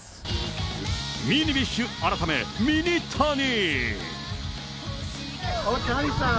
ミニビッシュ改め、ミニタニ。